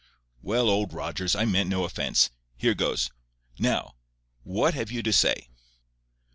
"Well, Old Rogers, I meant no offence. Here goes. NOW, what have you to say?